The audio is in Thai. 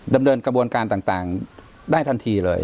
ดำเดินกระบวนการต่างได้ทันทีเลย